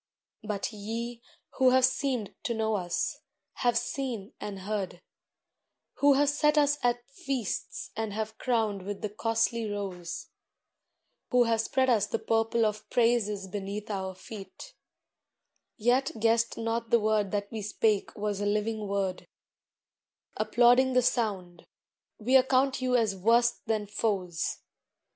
"But ye, who have seemed to know us, have seen and heard; Who have set us at feasts and have crowned with the costly rose; Who have spread us the purple of praises beneath our feet; Yet guessed not the word that we spake was a living word, Applauding the sound, we account you as worse than foes!